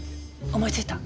思いついた！